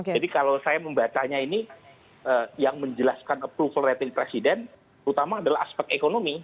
jadi kalau saya membacanya ini yang menjelaskan approval rating presiden utama adalah aspek ekonomi